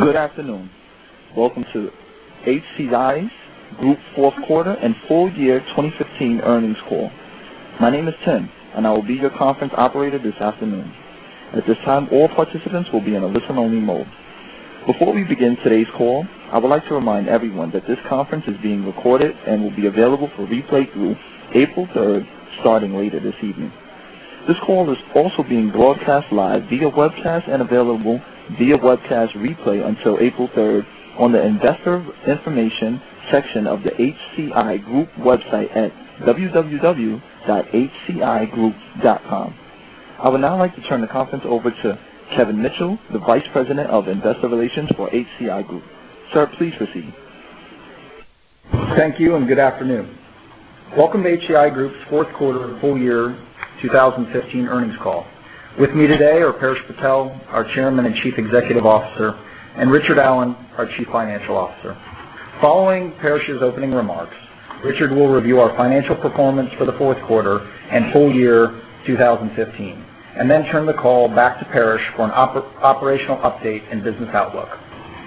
Good afternoon. Welcome to HCI Group fourth quarter and full year 2015 earnings call. My name is Tim, and I will be your conference operator this afternoon. At this time, all participants will be in a listen-only mode. Before we begin today's call, I would like to remind everyone that this conference is being recorded and will be available for replay through April 3rd, starting later this evening. This call is also being broadcast live via webcast and available via webcast replay until April 3rd on the investor information section of the HCI Group website at hcigroup.com. I would now like to turn the conference over to Kevin Mitchell, the Vice President of Investor Relations for HCI Group. Sir, please proceed. Thank you. Good afternoon. Welcome to HCI Group's fourth quarter full year 2015 earnings call. With me today are Paresh Patel, our Chairman and Chief Executive Officer, and Richard Allen, our Chief Financial Officer. Following Paresh's opening remarks, Richard will review our financial performance for the fourth quarter and full year 2015, then turn the call back to Paresh for an operational update and business outlook.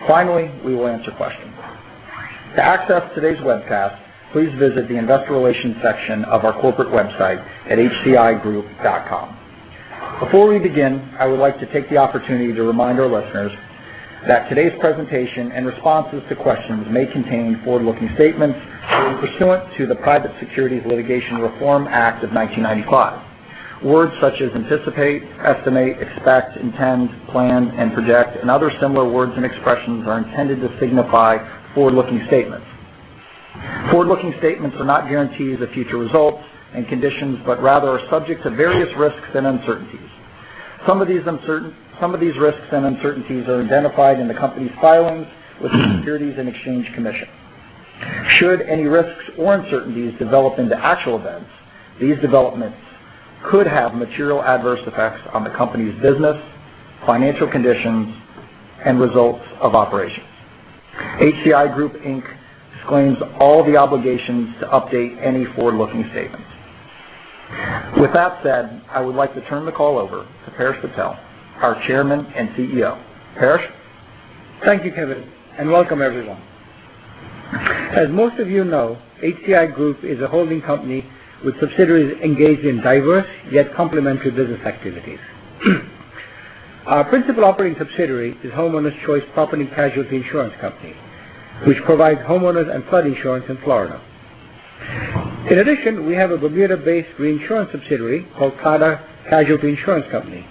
Finally, we will answer questions. To access today's webcast, please visit the investor relations section of our corporate website at hcigroup.com. Before we begin, I would like to take the opportunity to remind our listeners that today's presentation and responses to questions may contain forward-looking statements that are pursuant to the Private Securities Litigation Reform Act of 1995. Words such as anticipate, estimate, expect, intend, plan, and project, and other similar words and expressions are intended to signify forward-looking statements. Forward-looking statements are not guarantees of future results and conditions, rather are subject to various risks and uncertainties. Some of these risks and uncertainties are identified in the company's filings with the Securities and Exchange Commission. Should any risks or uncertainties develop into actual events, these developments could have material adverse effects on the company's business, financial conditions, and results of operations. HCI Group, Inc. disclaims all the obligations to update any forward-looking statements. With that said, I would like to turn the call over to Paresh Patel, our Chairman and CEO. Paresh? Thank you, Kevin. Welcome everyone. As most of you know, HCI Group is a holding company with subsidiaries engaged in diverse yet complementary business activities. Our principal operating subsidiary is Homeowners Choice Property Casualty Insurance Company, which provides homeowners and flood insurance in Florida. In addition, we have a Bermuda-based reinsurance subsidiary called Claddagh Casualty Insurance Company,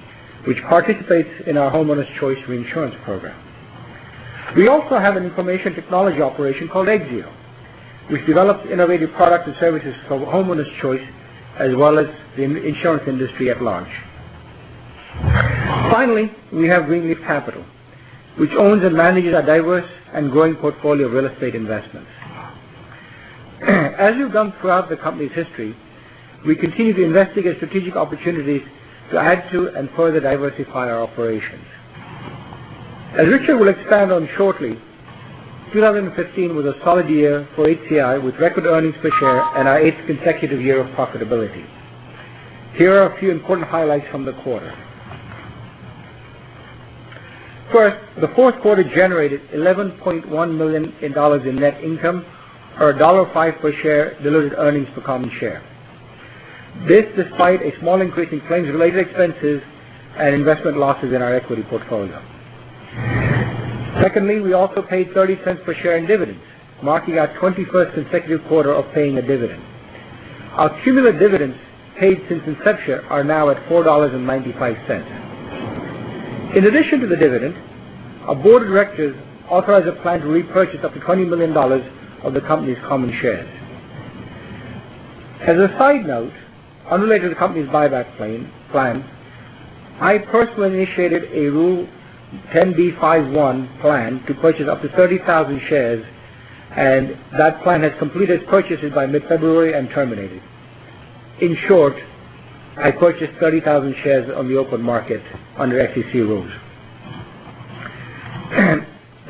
which participates in our Homeowners Choice reinsurance program. We also have an information technology operation called Exzeo, which develops innovative products and services for Homeowners Choice, as well as the insurance industry at large. Finally, we have Greenleaf Capital, which owns and manages a diverse and growing portfolio of real estate investments. As we've done throughout the company's history, we continue to investigate strategic opportunities to add to and further diversify our operations. As Richard will expand on shortly, 2015 was a solid year for HCI with record earnings per share and our eighth consecutive year of profitability. Here are a few important highlights from the quarter. First, the fourth quarter generated $11.1 million in net income, or $1.05 per share diluted earnings per common share. This despite a small increase in claims-related expenses and investment losses in our equity portfolio. Secondly, we also paid $0.30 per share in dividends, marking our 21st consecutive quarter of paying a dividend. Our cumulative dividends paid since inception are now at $4.95. In addition to the dividend, our board of directors authorized a plan to repurchase up to $20 million of the company's common shares. As a side note, unrelated to the company's buyback plan, I personally initiated a Rule 10b5-1 plan to purchase up to 30,000 shares, and that plan has completed purchases by mid-February and terminated. In short, I purchased 30,000 shares on the open market under SEC rules.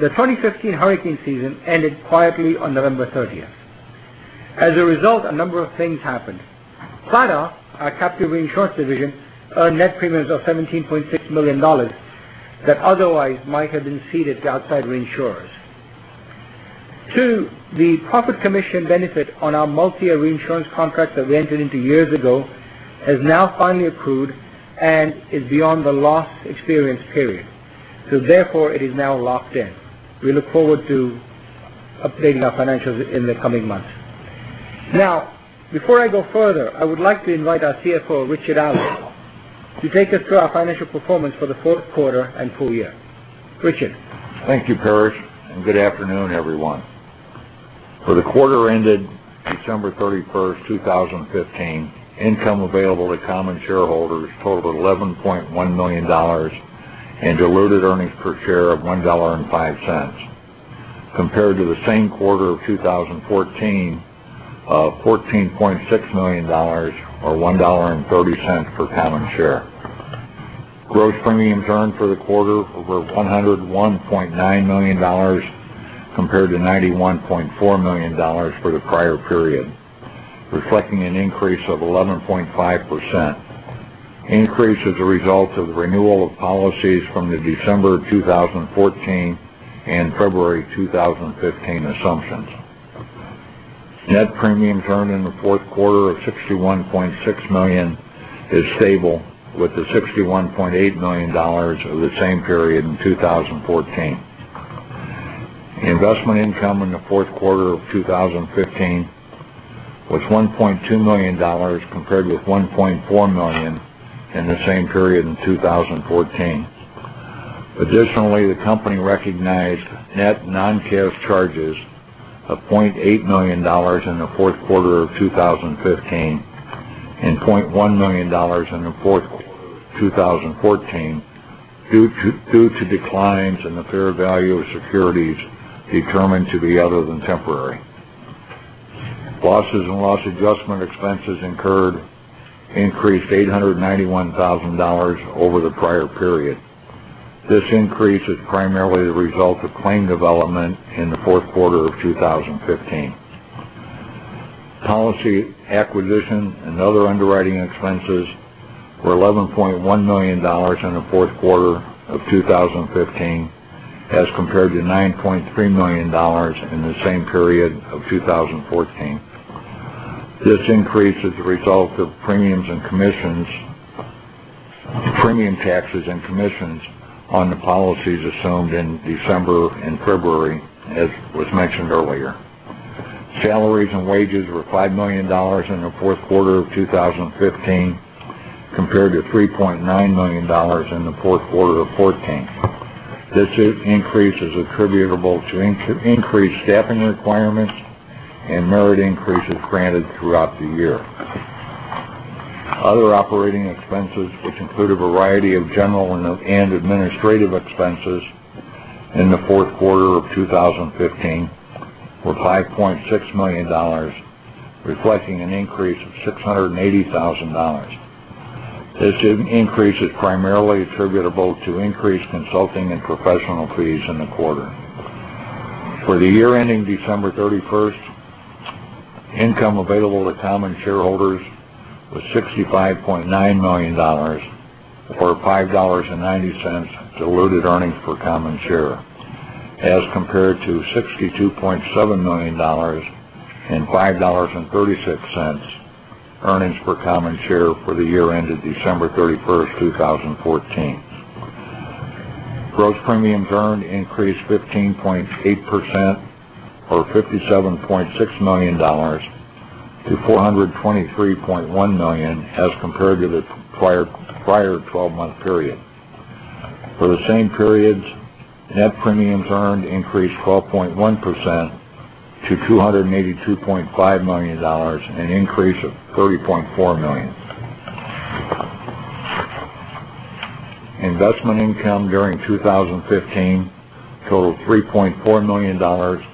The 2015 hurricane season ended quietly on November 30th. A number of things happened. Claddagh, our captive reinsurance division, earned net premiums of $17.6 million that otherwise might have been ceded to outside reinsurers. Two, the profit commission benefit on our multi-year reinsurance contract that we entered into years ago has now finally accrued and is beyond the loss experience period, it is now locked in. We look forward to updating our financials in the coming months. Before I go further, I would like to invite our CFO, Richard Allen, to take us through our financial performance for the fourth quarter and full year. Richard? Thank you, Paresh, good afternoon, everyone. For the quarter ended December 31st, 2015, income available to common shareholders totaled $11.1 million and diluted earnings per share of $1.05, compared to the same quarter of 2014 of $14.6 million, or $1.30 per common share. Gross premiums earned for the quarter were $101.9 million compared to $91.4 million for the prior period. Reflecting an increase of 11.5%. Increase is a result of the renewal of policies from the December 2014 and February 2015 assumptions. Net premiums earned in the fourth quarter of $61.6 million is stable with the $61.8 million of the same period in 2014. Investment income in the fourth quarter of 2015 was $1.2 million compared with $1.4 million in the same period in 2014. Additionally, the company recognized net non-cash charges of $0.8 million in the fourth quarter of 2015 and $0.1 million in the fourth quarter 2014 due to declines in the fair value of securities determined to be other than temporary. Losses and loss adjustment expenses incurred increased $891,000 over the prior period. This increase is primarily the result of claim development in the fourth quarter of 2015. Policy acquisition and other underwriting expenses were $11.1 million in the fourth quarter of 2015 as compared to $9.3 million in the same period of 2014. This increase is the result of premium taxes and commissions on the policies assumed in December and February, as was mentioned earlier. Salaries and wages were $5 million in the fourth quarter of 2015, compared to $3.9 million in the fourth quarter of 2014. This increase is attributable to increased staffing requirements and merit increases granted throughout the year. Other operating expenses, which include a variety of general and administrative expenses in the fourth quarter of 2015, were $5.6 million, reflecting an increase of $680,000. This increase is primarily attributable to increased consulting and professional fees in the quarter. For the year ending December 31st, income available to common shareholders was $65.9 million or $5.90 diluted earnings per common share as compared to $62.7 million and $5.36 earnings per common share for the year ended December 31st, 2014. Gross premiums earned increased 15.8% or $57.6 million to $423.1 million as compared to the prior 12-month period. For the same periods, net premiums earned increased 12.1% to $282.5 million, an increase of $30.4 million. Investment income during 2015 totaled $3.4 million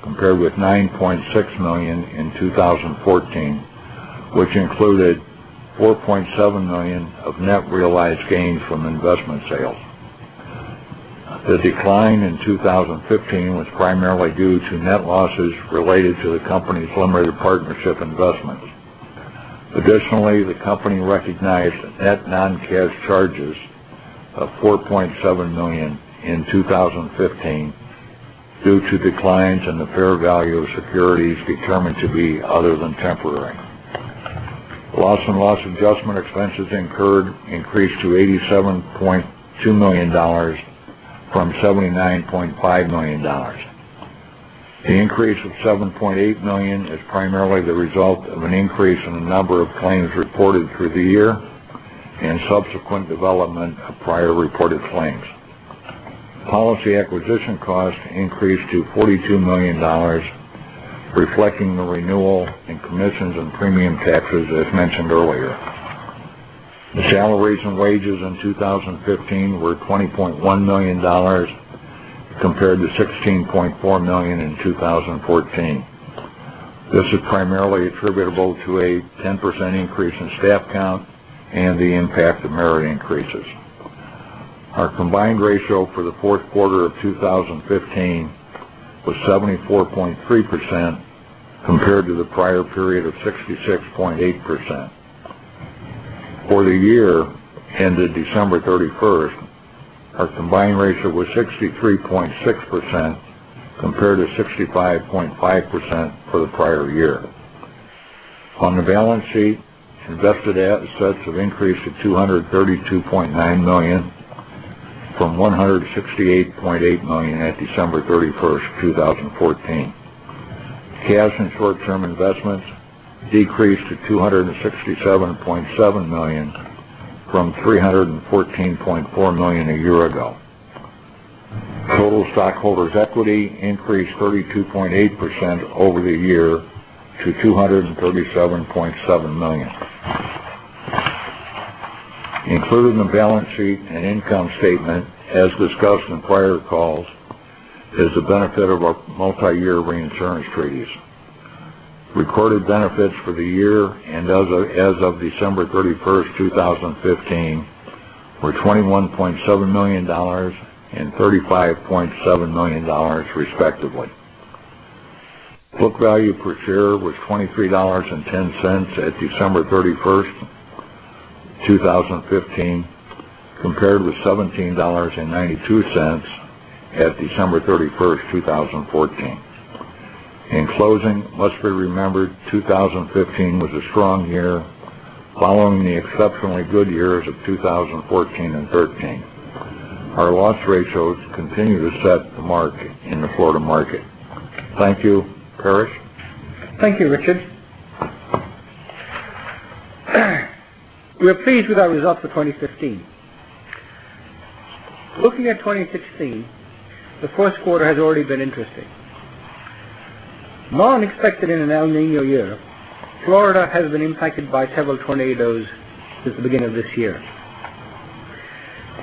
compared with $9.6 million in 2014, which included $4.7 million of net realized gains from investment sales. The decline in 2015 was primarily due to net losses related to the company's limited partnership investments. Additionally, the company recognized net non-cash charges of $4.7 million in 2015 due to declines in the fair value of securities determined to be other than temporary. Loss and loss adjustment expenses incurred increased to $87.2 million from $79.5 million. The increase of $7.8 million is primarily the result of an increase in the number of claims reported through the year and subsequent development of prior reported claims. Policy acquisition costs increased to $42 million, reflecting the renewal in commissions and premium taxes, as mentioned earlier. The salaries and wages in 2015 were $20.1 million compared to $16.4 million in 2014. This is primarily attributable to a 10% increase in staff count and the impact of merit increases. Our combined ratio for the fourth quarter of 2015 was 74.3% compared to the prior period of 66.8%. For the year ended December 31st, our combined ratio was 63.6% compared to 65.5% for the prior year. On the balance sheet, invested assets have increased to $232.9 million from $168.8 million at December 31st, 2014. Cash and short-term investments decreased to $267.7 million from $314.4 million a year ago. Total stockholders' equity increased 32.8% over the year to $237.7 million. Included in the balance sheet and income statement, as discussed in prior calls, is the benefit of our multi-year reinsurance treaties. Recorded benefits for the year and as of December 31st, 2015 were $21.7 million and $35.7 million respectively. Book value per share was $23.10 at December 31st, 2015, compared with $17.92 at December 31st, 2014. In closing, let's remember 2015 was a strong year following the exceptionally good years of 2014 and 2013. Our loss ratios continue to set the mark in the Florida market. Thank you. Paresh? Thank you, Richard. We are pleased with our results for 2015. Looking at 2016, the first quarter has already been interesting. More unexpected in an El Niño year, Florida has been impacted by several tornadoes since the beginning of this year.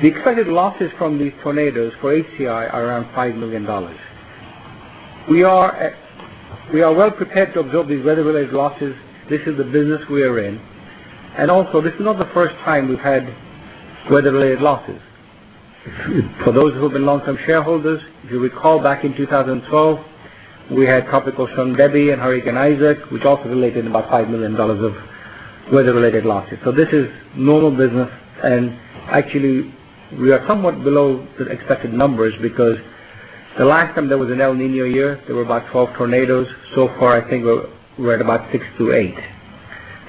The expected losses from these tornadoes for HCI are around $5 million. We are well prepared to absorb these weather-related losses. This is the business we are in, and also, this is not the first time we've had weather-related losses. For those who have been long-term shareholders, if you recall back in 2012, we had Tropical Storm Debby and Hurricane Isaac, which also related about $5 million of weather-related losses. This is normal business, and actually we are somewhat below the expected numbers because the last time there was an El Niño year, there were about 12 tornadoes. Far, I think we're at about six to eight,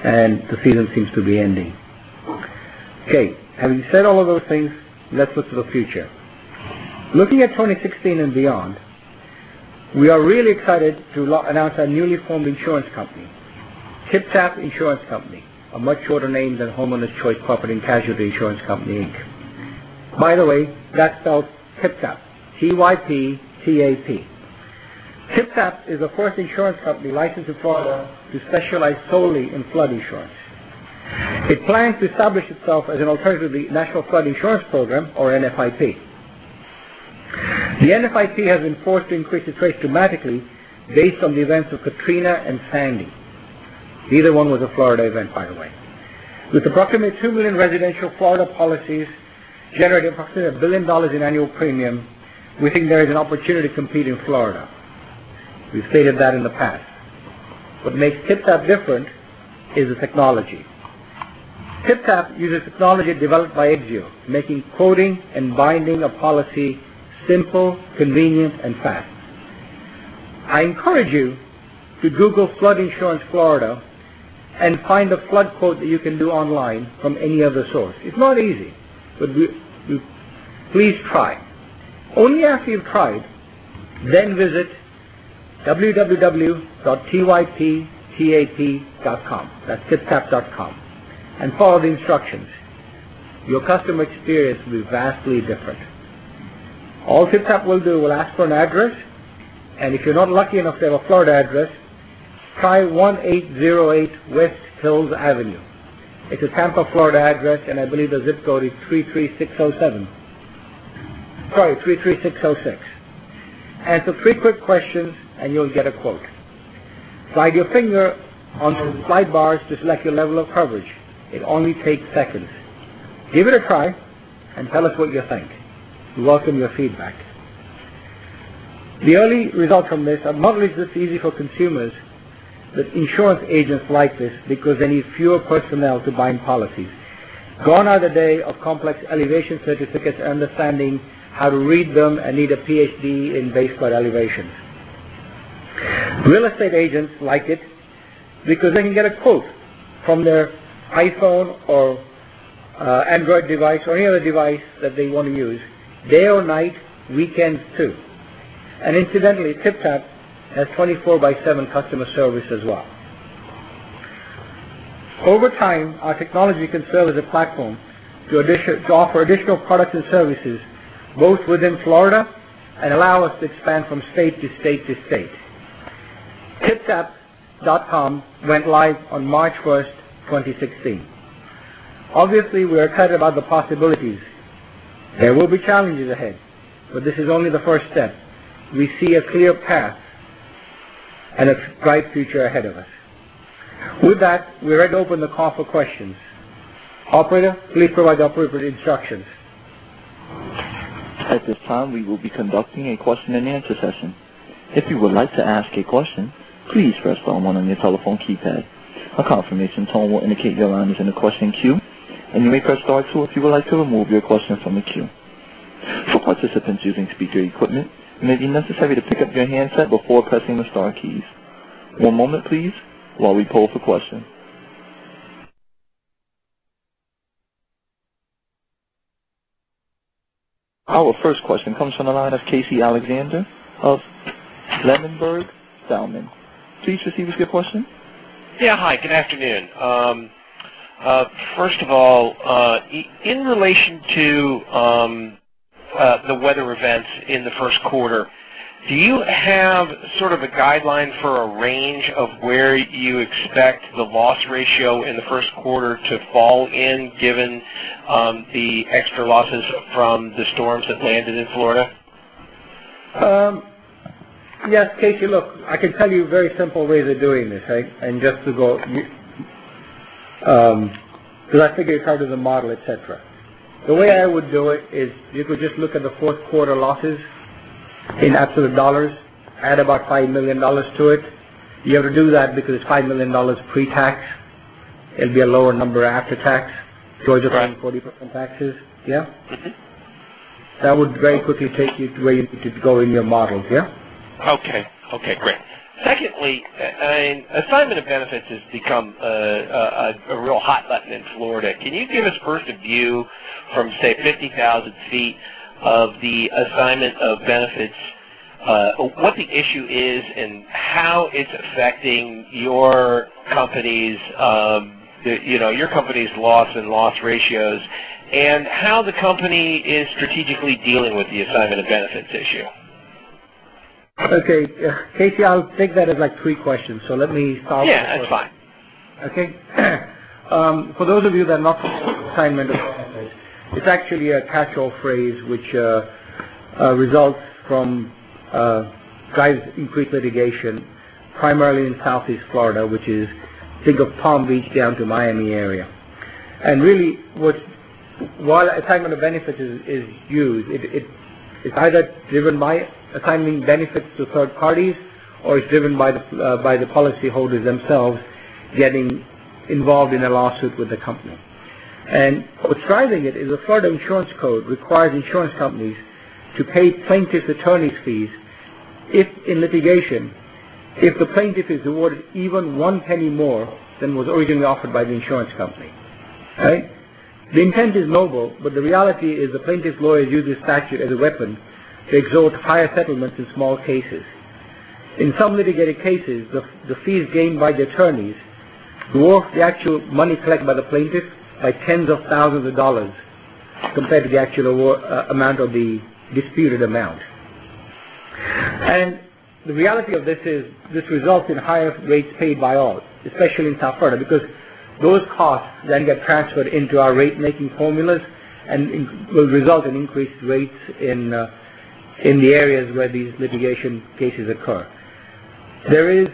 and the season seems to be ending. Having said all of those things, let's look to the future. Looking at 2016 and beyond, we are really excited to announce our newly formed insurance company, TypTap Insurance Company, a much shorter name than Homeowners Choice Property & Casualty Insurance Company, Inc. By the way, that's spelled TypTap, T-Y-P-T-A-P. TypTap is the first insurance company licensed in Florida to specialize solely in flood insurance. It plans to establish itself as an alternative to the National Flood Insurance Program, or NFIP. The NFIP has been forced to increase its rates dramatically based on the events of Katrina and Sandy. Neither one was a Florida event, by the way. With approximately 2 million residential Florida policies generating approximately $1 billion in annual premium, we think there is an opportunity to compete in Florida. We've stated that in the past. What makes TypTap different is the technology. TypTap uses technology developed by Exzeo, making quoting and binding a policy simple, convenient, and fast. I encourage you to Google flood insurance Florida and find a flood quote that you can do online from any other source. It's not easy, but please try. Only after you've tried, then visit www.typtap.com. That's typtap.com, and follow the instructions. Your customer experience will be vastly different. All TypTap will do, it will ask for an address, and if you're not lucky enough to have a Florida address, try 1808 West Hills Avenue. It's a Tampa, Florida address, and I believe the ZIP Code is 33607. Sorry, 33606. Answer three quick questions and you'll get a quote. Slide your finger on the slide bars to select your level of coverage. It only takes seconds. Give it a try and tell us what you think. We welcome your feedback. The early results from this are not only is this easy for consumers, but insurance agents like this because they need fewer personnel to bind policies. Gone are the day of complex elevation certificates and understanding how to read them and need a PhD in base code elevations. Real estate agents like it because they can get a quote from their iPhone or Android device or any other device that they want to use day or night, weekends too. And incidentally, TypTap has 24 by seven customer service as well. Over time, our technology can serve as a platform to offer additional products and services both within Florida and allow us to expand from state to state to state. typtap.com went live on March 1st, 2016. Obviously, we are excited about the possibilities. There will be challenges ahead, but this is only the first step. We see a clear path and a bright future ahead of us. With that, we're ready to open the call for questions. Operator, please provide the appropriate instructions. At this time, we will be conducting a question-and-answer session. If you would like to ask a question, please press star one on your telephone keypad. A confirmation tone will indicate your line is in the question queue, and you may press star two if you would like to remove your question from the queue. For participants using speaker equipment, it may be necessary to pick up your handset before pressing the star keys. One moment please while we poll for questions. Our first question comes from the line of Casey Alexander of Ladenburg Thalmann. Please proceed with your question. Yeah. Hi, good afternoon. First of all, in relation to the weather events in the first quarter, do you have sort of a guideline for a range of where you expect the loss ratio in the first quarter to fall in given the extra losses from the storms that landed in Florida? Yes, Casey, look, I can tell you very simple ways of doing this. I figure you covered the model, et cetera. The way I would do it is you could just look at the fourth quarter losses in absolute dollars, add about $5 million to it. You have to do that because it's $5 million pre-tax. It'll be a lower number after tax. Right. Georgia paying 40% taxes. Yeah. That would very quickly take you to where you need to go in your model. Yeah? Okay. Great. Secondly, assignment of benefits has become a real hot button in Florida. Can you give us first a view from, say, 50,000 feet of the assignment of benefits, what the issue is, and how it's affecting your company's loss and loss ratios, and how the company is strategically dealing with the assignment of benefits issue? Okay. Casey, I will take that as three questions. Let me start with the first. Yeah, that's fine. Okay. For those of you that are not familiar with assignment of benefits, it is actually a catchall phrase which results from guys increased litigation primarily in Southeast Florida, which is think of Palm Beach down to Miami area. Really, while the assignment of benefits is used, it is either driven by assigning benefits to third parties, or it is driven by the policyholders themselves getting involved in a lawsuit with the company. What is driving it is the Florida Insurance Code requires insurance companies to pay plaintiff's attorney's fees if, in litigation, the plaintiff is awarded even one penny more than was originally offered by the insurance company. Right? The intent is noble, the reality is the plaintiff's lawyers use this statute as a weapon to extort higher settlements in small cases. In some litigated cases, the fees gained by the attorneys dwarf the actual money collected by the plaintiff by tens of thousands of dollars compared to the actual amount of the disputed amount. The reality of this is this results in higher rates paid by all, especially in South Florida, because those costs then get transferred into our rate-making formulas and will result in increased rates in the areas where these litigation cases occur. There is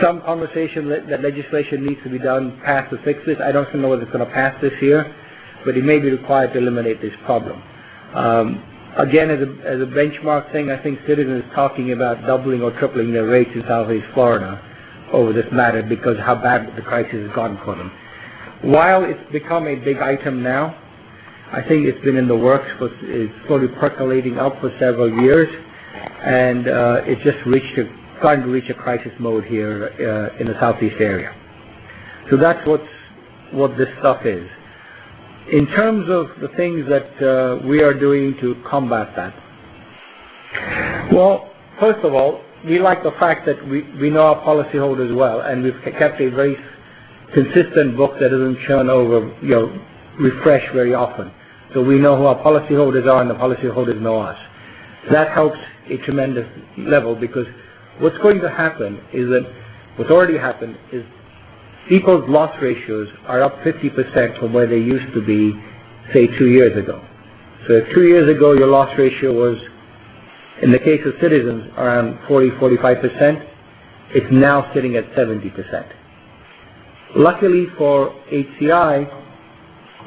some conversation that legislation needs to be done, passed to fix it. I do not know whether it is going to pass this year, it may be required to eliminate this problem. Again, as a benchmark thing, I think Citizens talking about doubling or tripling their rates in Southeast Florida over this matter because how bad the crisis has gotten for them. While it's become a big item now, I think it's been in the works, but it's slowly percolating up for several years, and it's just starting to reach a crisis mode here in the southeast area. That's what this stuff is. In terms of the things that we are doing to combat that. Well, first of all, we like the fact that we know our policyholders well, and we've kept a very consistent book that isn't churn over, refreshed very often. We know who our policyholders are, and the policyholders know us. That helps a tremendous level because what's going to happen is that what's already happened is people's loss ratios are up 50% from where they used to be, say, two years ago. Two years ago, your loss ratio was, in the case of Citizens, around 40%-45%. It's now sitting at 70%. Luckily for HCI,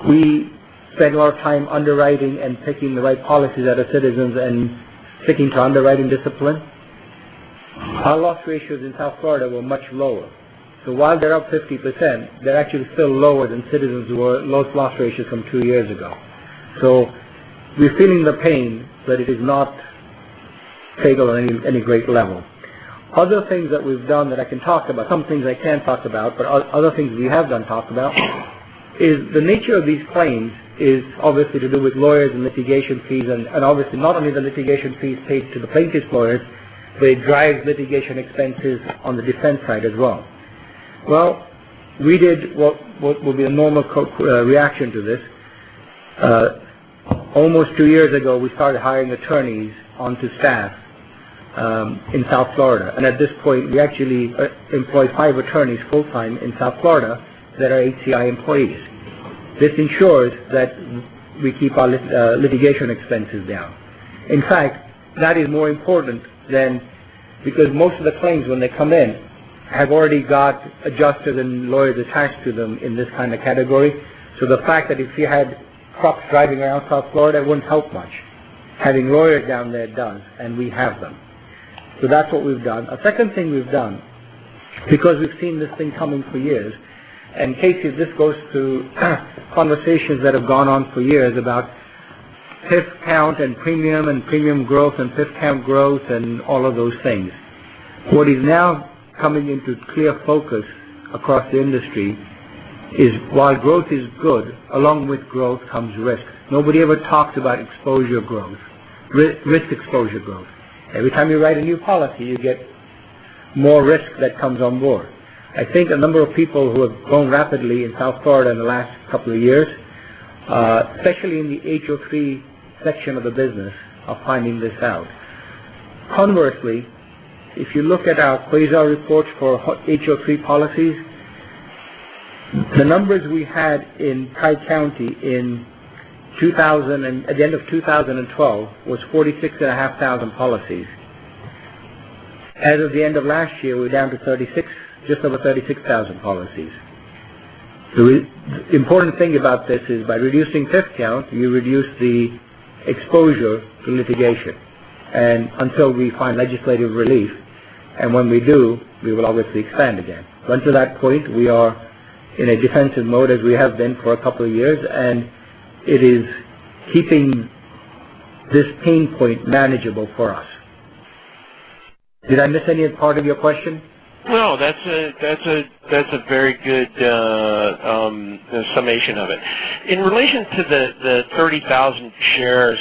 we spend a lot of time underwriting and picking the right policies out of Citizens and sticking to underwriting discipline. Our loss ratios in South Florida were much lower. While they're up 50%, they're actually still lower than Citizens who are loss ratios from two years ago. We're feeling the pain, but it is not payable at any great level. Other things that we've done that I can talk about, some things I can't talk about, but other things we have done talk about, is the nature of these claims is obviously to do with lawyers and litigation fees, and obviously not only the litigation fees paid to the plaintiff's lawyers, they drive litigation expenses on the defense side as well. Well, we did what would be a normal reaction to this. Almost two years ago, we started hiring attorneys onto staff in South Florida. At this point, we actually employ five attorneys full-time in South Florida that are HCI employees. This ensures that we keep our litigation expenses down. In fact, that is more important because most of the claims when they come in have already got adjusted and lawyers attached to them in this kind of category. The fact that if you had trucks driving around South Florida, it wouldn't help much. Having lawyers down there does, and we have them. That's what we've done. A second thing we've done, because we've seen this thing coming for years, and Casey, this goes to conversations that have gone on for years about PIF count and premium, and premium growth, and PIF count growth, and all of those things. What is now coming into clear focus across the industry is while growth is good, along with growth comes risk. Nobody ever talks about exposure growth, risk exposure growth. Every time you write a new policy, you get more risk that comes on board. I think a number of people who have grown rapidly in South Florida in the last couple of years, especially in the HO3 section of the business, are finding this out. Conversely, if you look at our QUASR report for HO3 policies. The numbers we had in Dade County at the end of 2012 was 46,500 policies. As of the end of last year, we're down to just over 36,000 policies. The important thing about this is by reducing this count, you reduce the exposure to litigation, and until we find legislative relief, and when we do, we will obviously expand again. Until that point, we are in a defensive mode as we have been for a couple of years, and it is keeping this pain point manageable for us. Did I miss any part of your question? No, that's a very good summation of it. In relation to the 30,000 shares,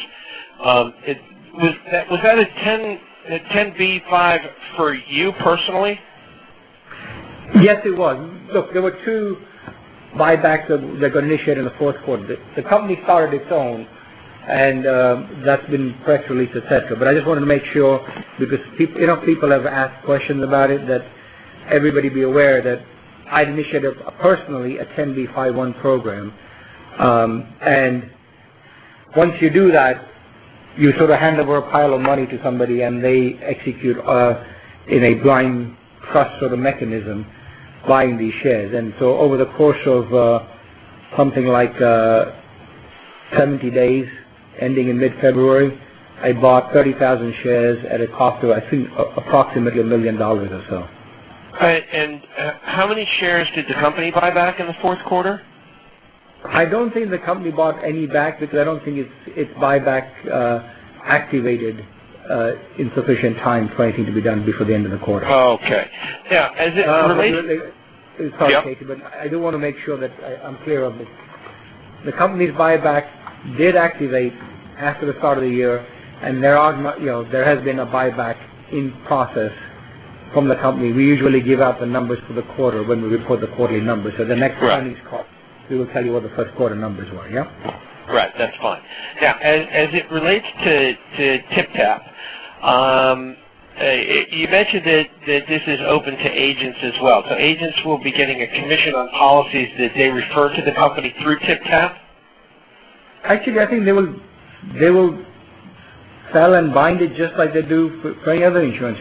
was that a 10b5-1 for you personally? Yes, it was. Look, there were two buybacks that got initiated in the fourth quarter. The company started its own, and that's been fairly successful. I just wanted to make sure because people have asked questions about it, that everybody be aware that I initiated personally a 10b5-1 program. Once you do that, you sort of hand over a pile of money to somebody, and they execute in a blind trust sort of mechanism buying these shares. Over the course of something like 70 days ending in mid-February, I bought 30,000 shares at a cost of, I think, approximately $1 million or so. Right. How many shares did the company buy back in the fourth quarter? I don't think the company bought any back because I don't think its buyback activated in sufficient time for anything to be done before the end of the quarter. Okay. Yeah. As it relates- Sorry, Casey, but I do want to make sure that I'm clear on this. The company's buyback did activate after the start of the year, and there has been a buyback in process from the company. We usually give out the numbers for the quarter when we report the quarterly numbers. The next- Right earnings call, we will tell you what the first quarter numbers were. Yeah? As it relates to TypTap, you mentioned that this is open to agents as well. Agents will be getting a commission on policies that they refer to the company through TypTap? Actually, I think they will sell and bind it just like they do for any other insurance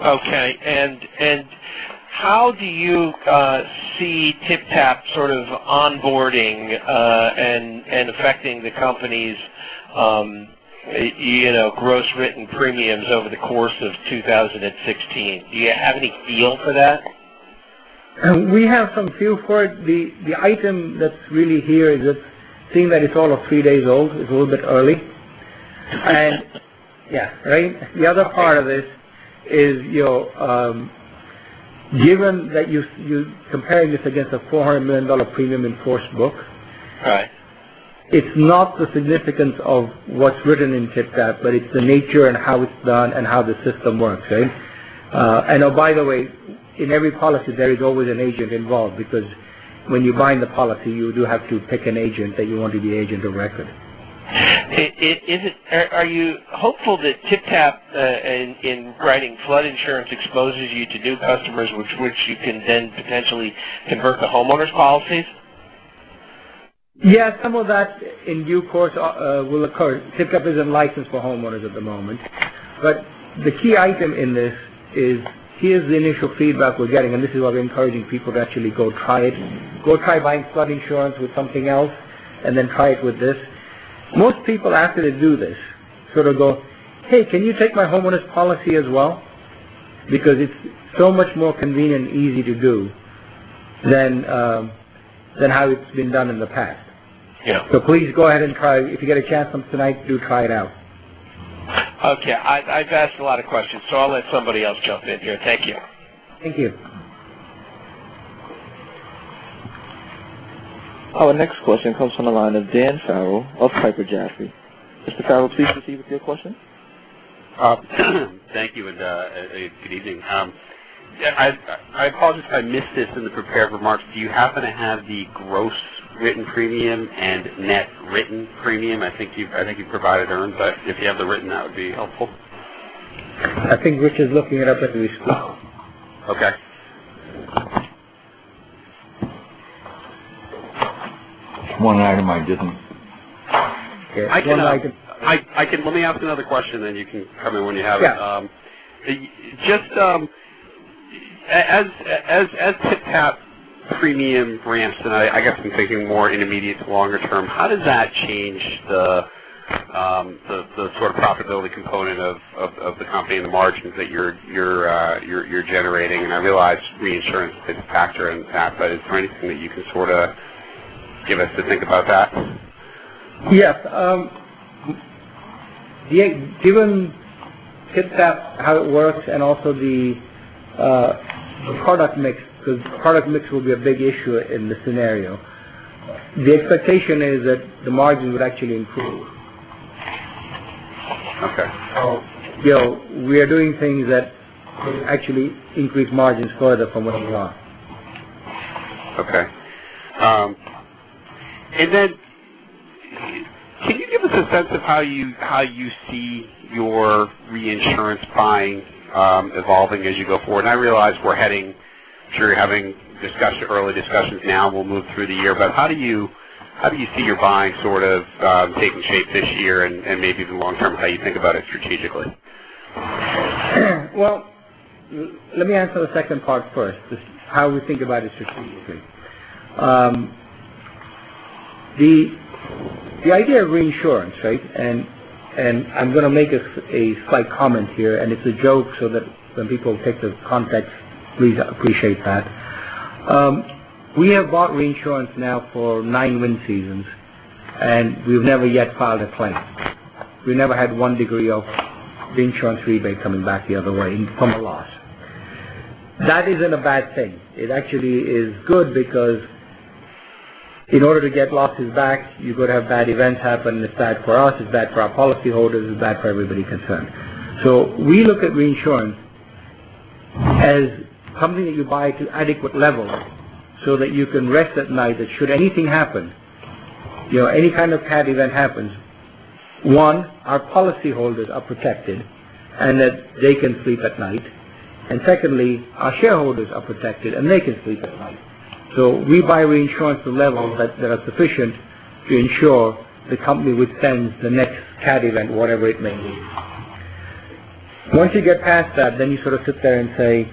carrier. Okay. How do you see TypTap sort of onboarding, and affecting the company's gross written premiums over the course of 2016? Do you have any feel for that? We have some feel for it. The item that's really here is this thing that is all of three days old. It's a little bit early. Yeah. Right. The other part of this is, given that you compare this against a $400 million premium in force book. Right. It's not the significance of what's written in TypTap, but it's the nature and how it's done and how the system works, right? Oh, by the way, in every policy, there is always an agent involved because when you bind the policy, you do have to pick an agent that you want to be agent of record. Are you hopeful that TypTap, in writing flood insurance, exposes you to new customers, which you can then potentially convert to homeowners policies? Yes, some of that in due course will occur. TypTap isn't licensed for homeowners at the moment. The key item in this is, here's the initial feedback we're getting, and this is why we're encouraging people to actually go try it. Go try buying flood insurance with something else, and then try it with this. Most people, after they do this, sort of go, "Hey, can you take my homeowners policy as well?" Because it's so much more convenient and easy to do than how it's been done in the past. Yeah. Please go ahead and try. If you get a chance tonight, do try it out. Okay. I've asked a lot of questions. I'll let somebody else jump in here. Thank you. Thank you. Our next question comes from the line of Dan Farrell of Piper Jaffray. Mr. Farrell, please proceed with your question. Thank you. Good evening. I apologize if I missed this in the prepared remarks. Do you happen to have the gross written premium and net written premium? I think you provided earned. If you have the written, that would be helpful. I think Rich is looking it up at least. Okay. One item I didn't. Let me ask another question, then you can cover me when you have it. Yeah. Just as TypTap premium ramps, and I guess I'm thinking more intermediate to longer term, how does that change the sort of profitability component of the company and the margins that you're generating? I realize reinsurance is a factor in that, but is there anything that you can sort of give us to think about that? Yes. Given TypTap, how it works, and also the product mix, because product mix will be a big issue in this scenario. The expectation is that the margin would actually improve. Okay. We are doing things that actually increase margins further from where we are. Okay. Can you give us a sense of how you see your reinsurance buying evolving as you go forward? I'm sure you're having early discussions now, we'll move through the year. How do you see your buying sort of taking shape this year and maybe the long term, how you think about it strategically? Well, let me answer the second part first, just how we think about it strategically. The idea of reinsurance, right? I'm going to make a slight comment here, and it's a joke so that when people take the context, please appreciate that. We have bought reinsurance now for nine wind seasons, and we've never yet filed a claim. We never had one degree of reinsurance rebate coming back the other way from a loss. That isn't a bad thing. It actually is good because in order to get losses back, you've got to have bad events happen. It's bad for us, it's bad for our policyholders, it's bad for everybody concerned. We look at reinsurance as something that you buy to adequate levels so that you can rest at night that should anything happen, any kind of bad event happens, one, our policyholders are protected and that they can sleep at night. Secondly, our shareholders are protected and they can sleep at night. We buy reinsurance to levels that are sufficient to ensure the company withstands the next bad event, whatever it may be. Once you get past that, then you sort of sit there and say,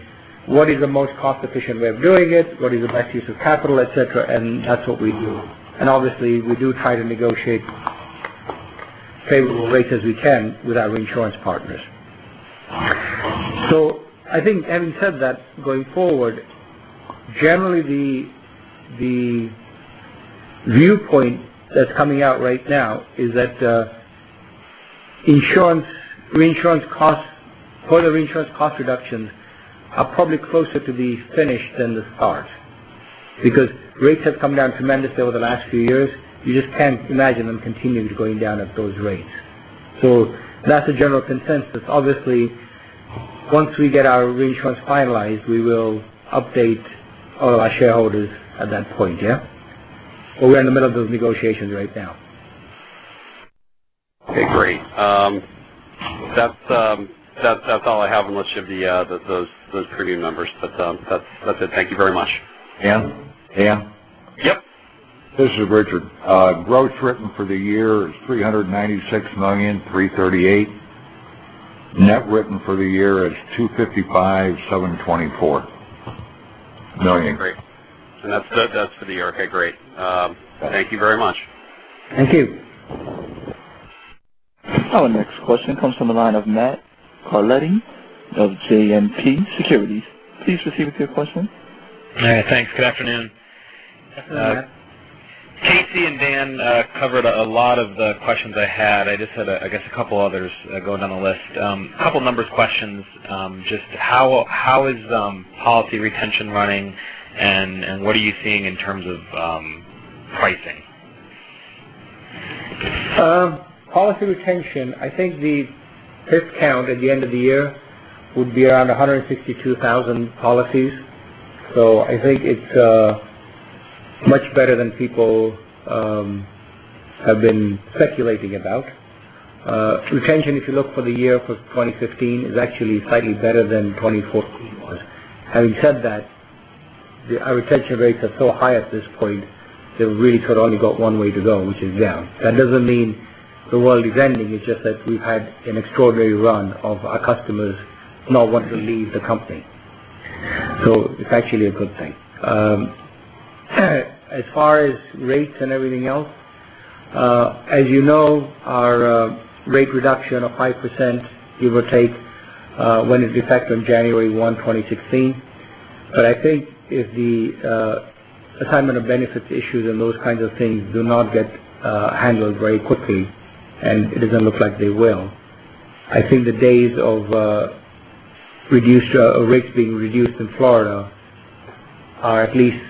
"What is the most cost-efficient way of doing it? What is the best use of capital," et cetera, and that's what we do. Obviously, we do try to negotiate favorable rates as we can with our reinsurance partners. I think having said that, going forward, generally the viewpoint that's coming out right now is that insurance, reinsurance costs, further reinsurance cost reductions are probably closer to the finish than the start. Because rates have come down tremendously over the last few years, you just can't imagine them continuing to going down at those rates. That's the general consensus. Obviously, once we get our reinsurance finalized, we will update all of our shareholders at that point, yeah? We're in the middle of those negotiations right now. Okay, great. That's all I have unless you have those premium numbers. That's it. Thank you very much. Dan? Yep. This is Richard. Gross written for the year is $396.338 million. Net written for the year is $255.724 million. Okay, great. That's for the year. Okay, great. Thank you very much. Thank you. Our next question comes from the line of Matt Carletti of JMP Securities. Please proceed with your question. Matt, thanks. Good afternoon. Good afternoon. Casey and Dan covered a lot of the questions I had. I just had, I guess, a couple others going down the list. Couple numbers questions, just how is policy retention running, and what are you seeing in terms of pricing? Policy retention, I think the head count at the end of the year would be around 162,000 policies. I think it's much better than people have been speculating about. Retention, if you look for the year for 2015, is actually slightly better than 2014 was. Having said that, our retention rates are so high at this point, they really could only go one way to go, which is down. That doesn't mean the world is ending, it's just that we've had an extraordinary run of our customers not wanting to leave the company. It's actually a good thing. As far as rates and everything else, as you know, our rate reduction of 5%, we will take when it's effective January 1, 2016. I think if the assignment of benefits issues and those kinds of things do not get handled very quickly, and it doesn't look like they will, I think the days of rates being reduced in Florida are at least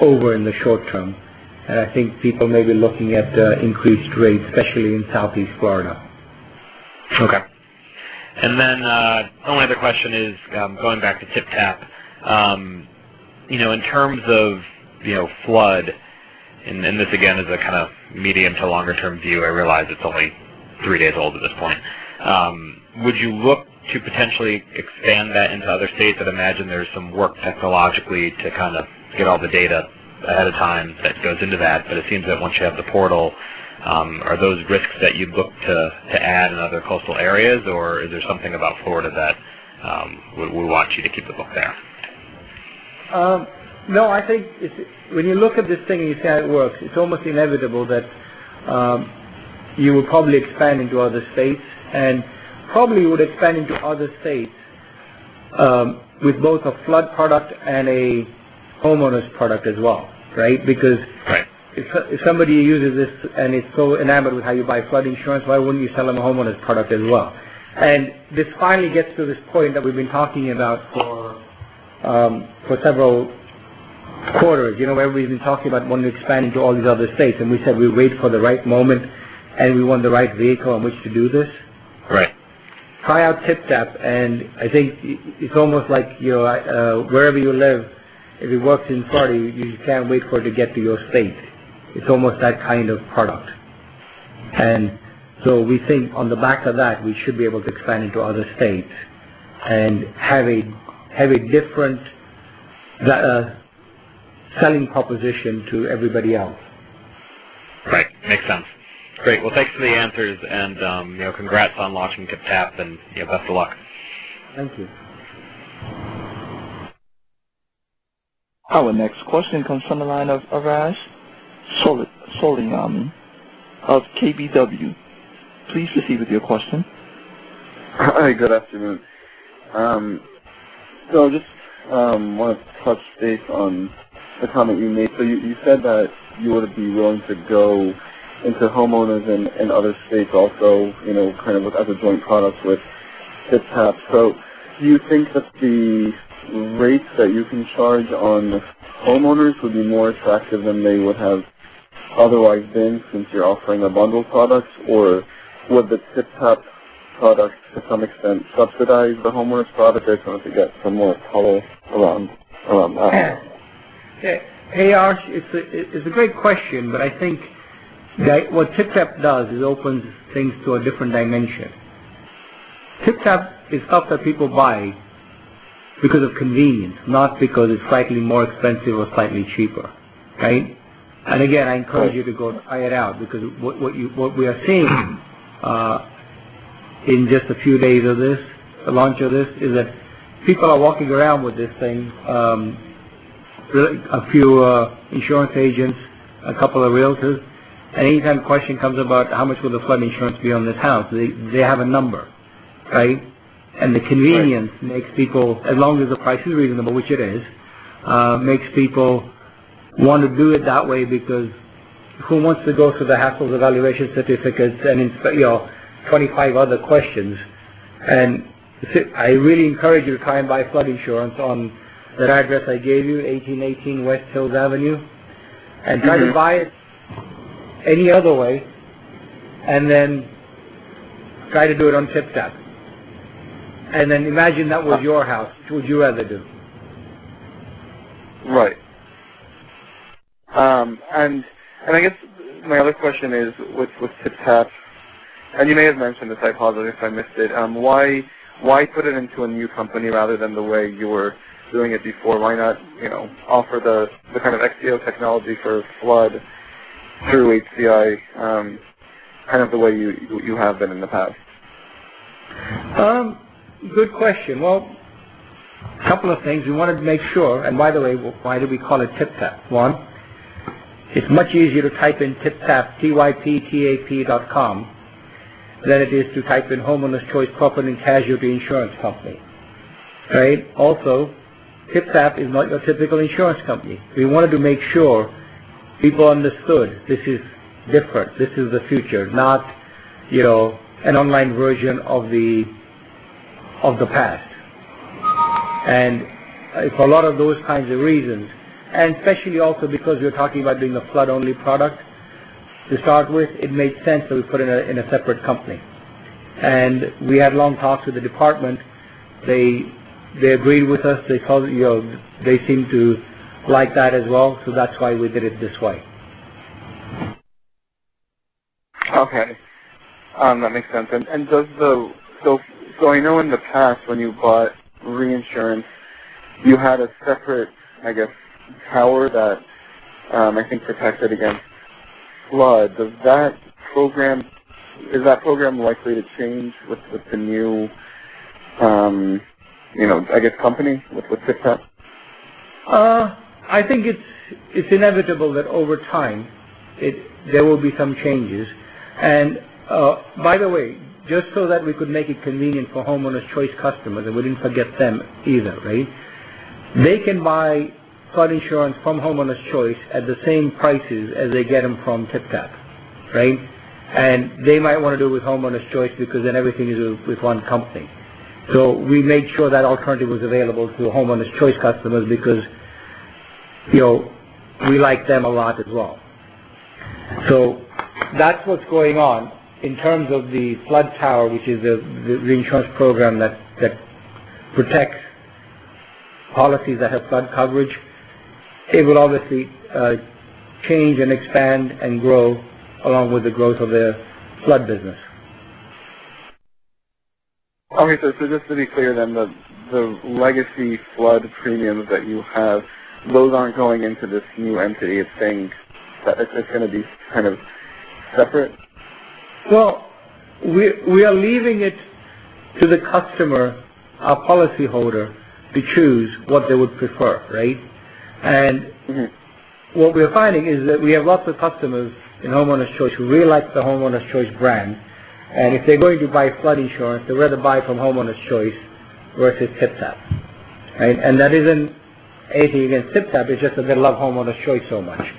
over in the short term. I think people may be looking at increased rates, especially in Southeast Florida. Only other question is, going back to TypTap. In terms of flood, this again is a kind of medium to longer term view. I realize it's only three days old at this point. Would you look to potentially expand that into other states? I'd imagine there's some work technologically to kind of get all the data ahead of time that goes into that. It seems that once you have the portal, are those risks that you'd look to add in other coastal areas, or is there something about Florida that would want you to keep the book there? No. I think when you look at this thing and you see how it works, it's almost inevitable that you will probably expand into other states. Probably would expand into other states with both a flood product and a homeowners product as well, right? Right. Because if somebody uses this and is so enamored with how you buy flood insurance, why wouldn't you sell them a homeowners product as well? This finally gets to this point that we've been talking about for several quarters. We've been talking about wanting to expand into all these other states, and we said we'll wait for the right moment, and we want the right vehicle on which to do this. Right. Try out TypTap, I think it's almost like wherever you live, if it works in Florida, you can't wait for it to get to your state. It's almost that kind of product. We think on the back of that, we should be able to expand into other states and have a different selling proposition to everybody else. Right. Makes sense. Great. Thanks for the answers and congrats on launching TypTap, and best of luck. Thank you. Our next question comes from the line of Arash Soleimani of KBW. Please proceed with your question. Hi, good afternoon. Just want to touch base on the comment you made. You said that you would be willing to go into homeowners in other states also, kind of as a joint product with TypTap. Do you think that the rates that you can charge on homeowners would be more attractive than they would have otherwise been since you're offering a bundled product? Would the TypTap product, to some extent, subsidize the homeowners product? I just wanted to get some more color around that. Hey, Arash, it's a great question. I think that what TypTap does is opens things to a different dimension. TypTap is stuff that people buy because of convenience, not because it's slightly more expensive or slightly cheaper. Right? Again, I encourage you to go try it out, because what we are seeing in just a few days of the launch of this, is that people are walking around with this thing. A few insurance agents, a couple of realtors. Any time the question comes about how much will the flood insurance be on this house, they have a number. Right? The convenience, as long as the price is reasonable, which it is, makes people want to do it that way, because who wants to go through the hassle of evaluation certificates and 25 other questions. I really encourage you to try and buy flood insurance on that address I gave you, 1818 West Hills Avenue. Try to buy it any other way, then try to do it on TypTap. Imagine that was your house. Which would you rather do? Right. I guess my other question is with TypTap, you may have mentioned this, I apologize if I missed it. Why put it into a new company rather than the way you were doing it before? Why not offer the kind of Exzeo technology for flood through HCI, kind of the way you have been in the past? Good question. Well, a couple of things. By the way, why did we call it TypTap? One, it's much easier to type in TypTap, T-Y-P-T-A-P.com, than it is to type in Homeowners Choice Property Casualty Insurance Company. Right? TypTap is not your typical insurance company. We wanted to make sure people understood this is different. This is the future, not an online version of the past. For a lot of those kinds of reasons, and especially also because we're talking about doing a flood-only product to start with, it made sense that we put it in a separate company. They agreed with us. They seemed to like that as well. That's why we did it this way. Okay. That makes sense. I know in the past when you bought reinsurance, you had a separate, I guess, tower that, I think, protected against flood. Is that program likely to change with the new, I guess, company, with TypTap? I think it's inevitable that over time, there will be some changes. By the way, just so that we could make it convenient for Homeowners Choice customers, we didn't forget them either, right? They can buy flood insurance from Homeowners Choice at the same prices as they get them from TypTap, right? They might want to do it with Homeowners Choice because everything is with one company. We made sure that alternative was available to Homeowners Choice customers because we like them a lot as well. That's what's going on in terms of the flood tower, which is the reinsurance program that protects policies that have flood coverage. It will obviously change and expand and grow along with the growth of their flood business. Okay. Just to be clear, the legacy flood premiums that you have, those aren't going into this new entity of things. It's going to be kind of separate? Well, we are leaving it to the customer, our policyholder, to choose what they would prefer, right? What we're finding is that we have lots of customers in Homeowners Choice who really like the Homeowners Choice brand. If they're going to buy flood insurance, they'd rather buy from Homeowners Choice versus TypTap, right? That isn't anything against TypTap, it's just that they love Homeowners Choice so much.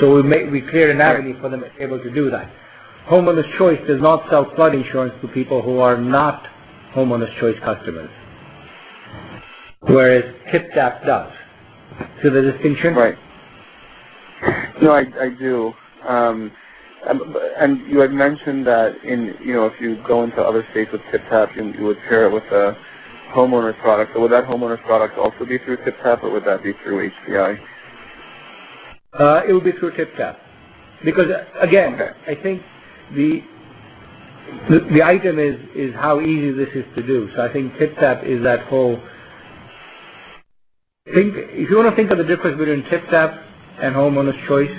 We cleared an avenue for them able to do that. Homeowners Choice does not sell flood insurance to people who are not Homeowners Choice customers. Whereas TypTap does. See the distinction? Right. No, I do. You had mentioned that if you go into other states with TypTap, you would pair it with a homeowners product. Would that homeowners product also be through TypTap, or would that be through HCI? It will be through TypTap. Okay. Again, I think the item is how easy this is to do. I think TypTap is that whole If you want to think of the difference between TypTap and Homeowners Choice,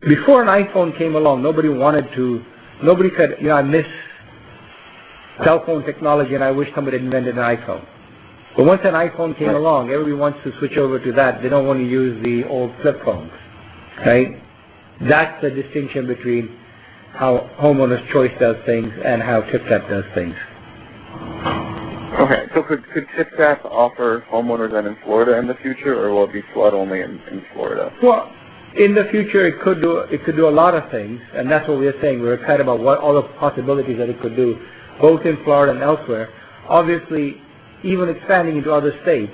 before an iPhone came along, nobody said, "I miss cellphone technology, and I wish somebody had invented an iPhone." Once an iPhone came along, everybody wants to switch over to that. They don't want to use the old flip phones, right? That's the distinction between how Homeowners Choice does things and how TypTap does things. Okay. Could TypTap offer homeowners then in Florida in the future, or will it be flood only in Florida? In the future, it could do a lot of things, That's what we are saying. We're excited about what all the possibilities that it could do, both in Florida and elsewhere. Obviously, even expanding into other states,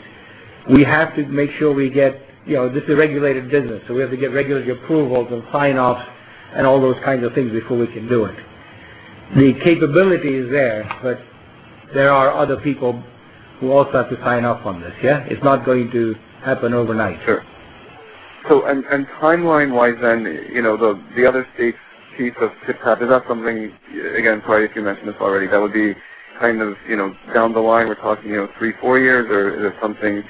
we have to make sure we get This is a regulated business. We have to get regulatory approvals and sign-offs and all those kinds of things before we can do it. The capability is there, There are other people who also have to sign off on this, yeah? It's not going to happen overnight. Sure. Timeline-wise then, the other states piece of TypTap, is that something, again, sorry if you mentioned this already, that would be down the line, we're talking, three, four years, or is it something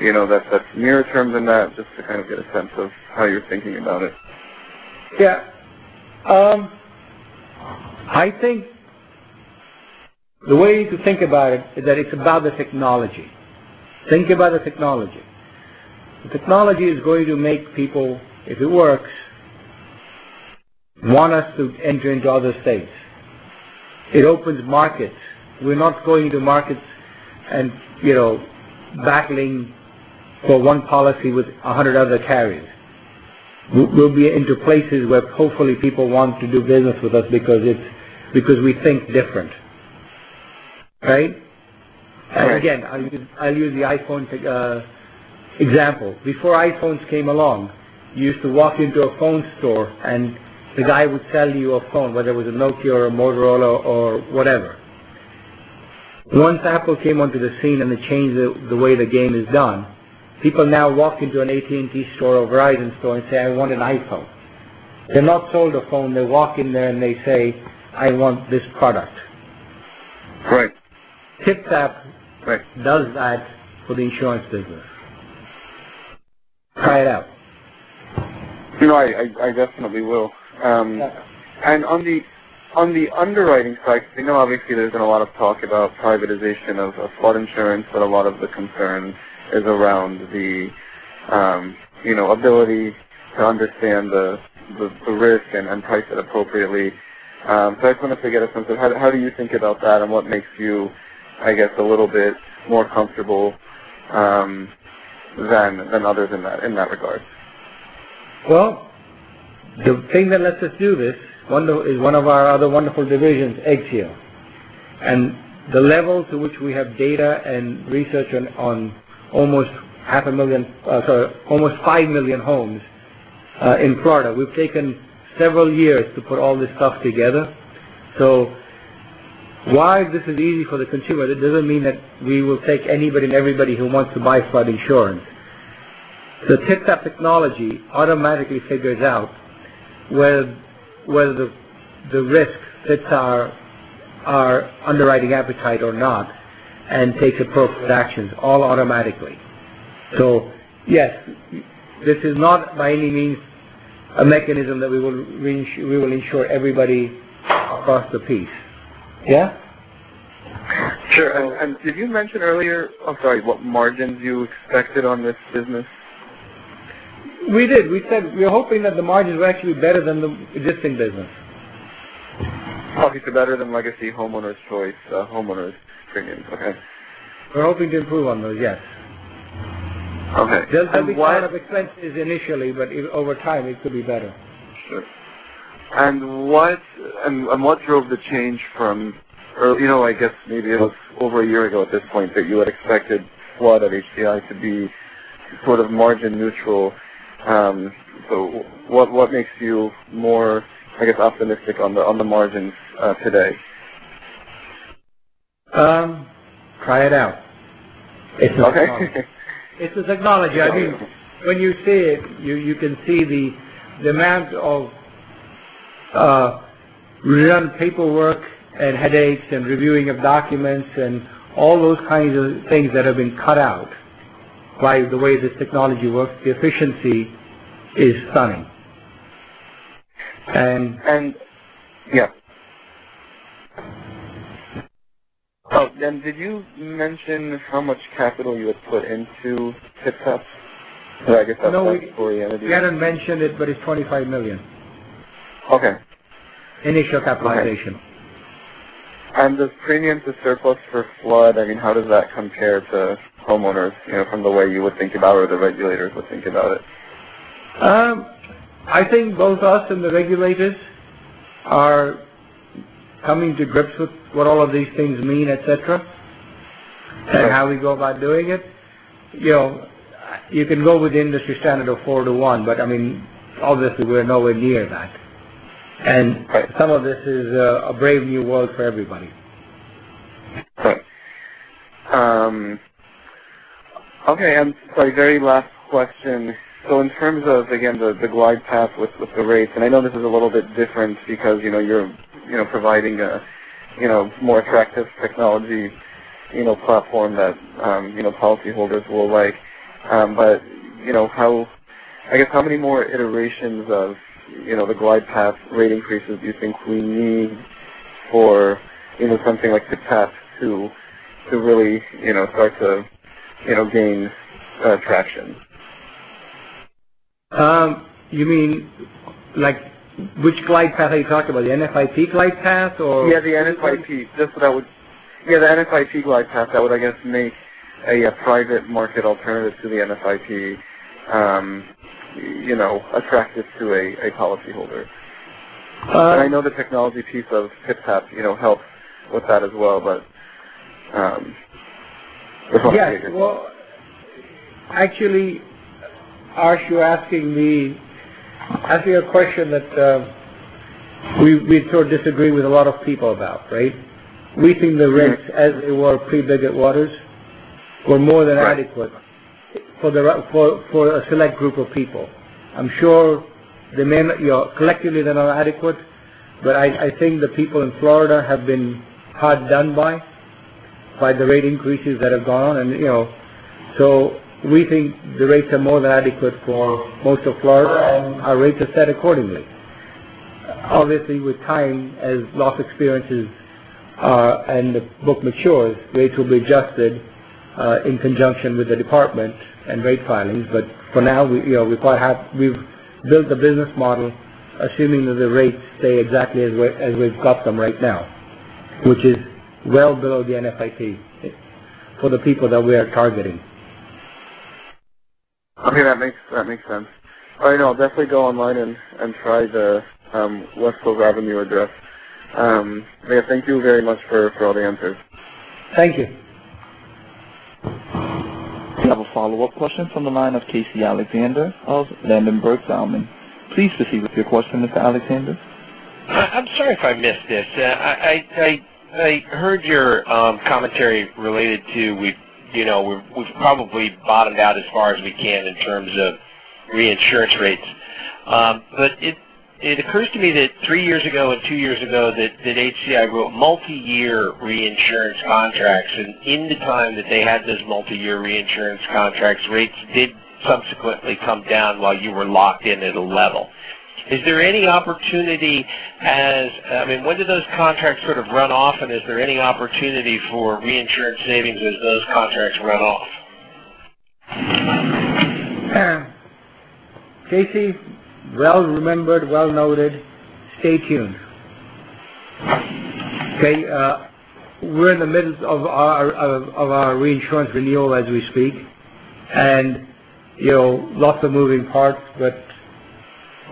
that's nearer term than that, just to get a sense of how you're thinking about it. Yeah. I think the way to think about it is that it's about the technology. Think about the technology. The technology is going to make people, if it works, want us to enter into other states. It opens markets. We're not going to markets and battling for one policy with 100 other carriers. We'll be into places where hopefully people want to do business with us because we think different. Right? Right. Again, I'll use the iPhone example. Before iPhones came along, you used to walk into a phone store, and the guy would sell you a phone, whether it was a Nokia or a Motorola or whatever. Once Apple came onto the scene and they changed the way the game is done, people now walk into an AT&T store or Verizon store and say, "I want an iPhone." They're not sold a phone. They walk in there, and they say, "I want this product. Right. TypTap- Right TypTap does that for the insurance business. Try it out. No, I definitely will. Yeah. On the underwriting side, I know obviously there's been a lot of talk about privatization of flood insurance, but a lot of the concern is around the ability to understand the risk and price it appropriately. I just wanted to get a sense of how do you think about that, and what makes you, I guess, a little bit more comfortable than others in that regard? Well, the thing that lets us do this is one of our other wonderful divisions, Exzeo. The level to which we have data and research on almost 5 million homes in Florida. We've taken several years to put all this stuff together. While this is easy for the consumer, that doesn't mean that we will take anybody and everybody who wants to buy flood insurance. The TypTap technology automatically figures out whether the risk fits our underwriting appetite or not and takes appropriate actions all automatically. Yes, this is not by any means a mechanism that we will insure everybody across the piece. Yeah? Sure. Did you mention earlier, I'm sorry, what margins you expected on this business? We did. We said we are hoping that the margins were actually better than the existing business. Better than legacy Homeowners Choice homeowners premiums. Okay. We're hoping to improve on those, yes. Okay. What- There'll be kind of expenses initially, but over time, it could be better. Sure. What drove the change from I guess maybe it was over one year ago at this point that you had expected flood at HCI to be sort of margin neutral. What makes you more, I guess, optimistic on the margins today? Try it out. Okay. It's the technology. I mean, when you see it, you can see the amount of redundant paperwork and headaches and reviewing of documents and all those kinds of things that have been cut out by the way this technology works. The efficiency is stunning. Yeah. Did you mention how much capital you had put into TypTap? No. for the entity we haven't mentioned it, but it's $25 million. Okay. Initial capitalization. The premium to surplus for flood, how does that compare to homeowners, from the way you would think about or the regulators would think about it? I think both us and the regulators are coming to grips with what all of these things mean, et cetera, and how we go about doing it. You can go with the industry standard of 4 to 1, but obviously we're nowhere near that. Right. Some of this is a brave new world for everybody. Right. Okay, and my very last question. In terms of, again, the glide path with the rates, and I know this is a little bit different because you're providing a more attractive technology platform that policyholders will like. I guess how many more iterations of the glide path rate increases do you think we need for something like the PIPPA to really start to gain traction? You mean which glide path are you talking about? The NFIP glide path or- Yeah, the NFIP. The NFIP glide path that would, I guess, make a private market alternative to the NFIP attractive to a policyholder. Uh- I know the technology piece of TypTap helps with that as well, but- Yes. Well, actually, Ash, you're asking me a question that we sort of disagree with a lot of people about, right? We think the rates as they were pre-Biggert-Waters are more than adequate- Right for a select group of people. I'm sure they may not, collectively they're not adequate. I think the people in Florida have been hard done by the rate increases that have gone. We think the rates are more than adequate for most of Florida, and our rates are set accordingly. Obviously, with time, as loss experiences and the book matures, rates will be adjusted in conjunction with the department and rate filings. For now, we've built the business model assuming that the rates stay exactly as we've got them right now, which is well below the NFIP for the people that we are targeting. Okay. That makes sense. All right. No, I'll definitely go online and try the West Hills Avenue address. Paresh, thank you very much for all the answers. Thank you. We have a follow-up question from the line of Casey Alexander of Ladenburg Thalmann. Please proceed with your question, Mr. Alexander. I'm sorry if I missed this. I heard your commentary related to we've probably bottomed out as far as we can in terms of reinsurance rates. It occurs to me that three years ago and two years ago that HCI wrote multi-year reinsurance contracts, and in the time that they had those multi-year reinsurance contracts, rates did subsequently come down while you were locked in at a level. When do those contracts sort of run off, and is there any opportunity for reinsurance savings as those contracts run off? Casey, well remembered, well noted. Stay tuned. Okay. We're in the midst of our reinsurance renewal as we speak. Lots of moving parts, but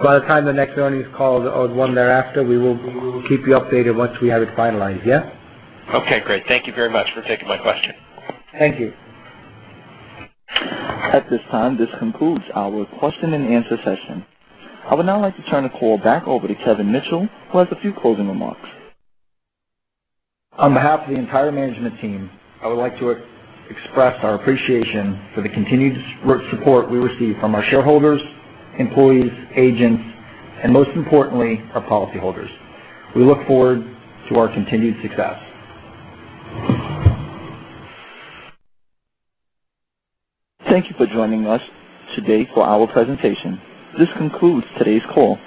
by the time the next earnings call or the one thereafter, we will keep you updated once we have it finalized. Yeah? Okay, great. Thank you very much for taking my question. Thank you. At this time, this concludes our question and answer session. I would now like to turn the call back over to Kevin Mitchell, who has a few closing remarks. On behalf of the entire management team, I would like to express our appreciation for the continued support we receive from our shareholders, employees, agents, and most importantly, our policyholders. We look forward to our continued success. Thank you for joining us today for our presentation. This concludes today's call.